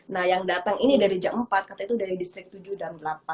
nah yang datang ini dari jam empat katanya itu dari distrik tujuh dan delapan